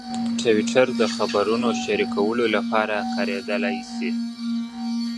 ټویټر د خبرونو شریکولو لپاره کارېدلی شي.